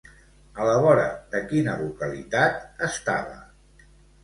A la vora de quina localitat estava?